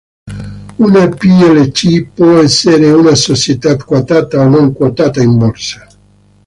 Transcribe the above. Una plc può essere una società quotata o non quotata in borsa.